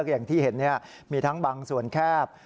อย่างที่เห็นมีทั้งบางส่วนแคบ